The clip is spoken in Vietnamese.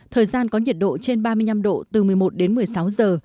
thời gian có nhiệt độ trên ba mươi năm độ từ một mươi một đến một mươi sáu giờ